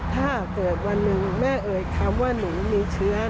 ถ้าเกิดวันหนึ่งแม่เอ่ยคำว่าหนูมีเชื้อ